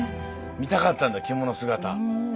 見たかったんだ着物姿。